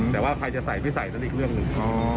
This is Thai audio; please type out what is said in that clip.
แต่ว่าใครจะใส่ไม่ใส่นั้นอีกเรื่องหนึ่ง